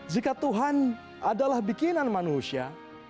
jika tuhan adalah bikinan manusia